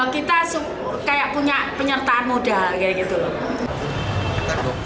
kita kayak punya penyertaan modal